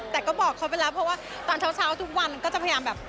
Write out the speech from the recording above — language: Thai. แต่ก็บอกเขาไปแล้วเพราะว่าตอนเช้าทุกวันก็จะพยายามแบบ